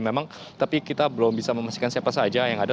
memang tapi kita belum bisa memastikan siapa saja yang ada